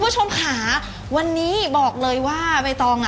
ใช่ครับ